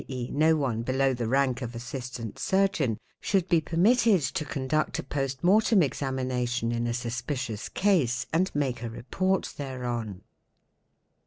e., no one below _ the rank of Assistant Surgeon, should be permitted to conduct a post | mortem examination in a suspicious case and make a report thereon.